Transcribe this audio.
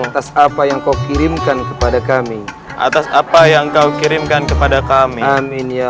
atas apa yang kau kirimkan kepada kami atas apa yang kau kirimkan kepada kami